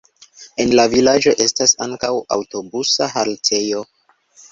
En la vilaĝo estas ankaŭ aŭtobusa haltejo.